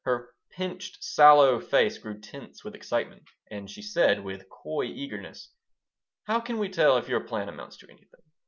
Her pinched, sallow face grew tense with excitement, and she said, with coy eagerness: "How can we tell if your plan amounts to anything?